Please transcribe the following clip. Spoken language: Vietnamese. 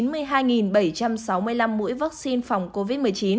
chín mươi hai bảy trăm sáu mươi năm mũi vaccine phòng covid một mươi chín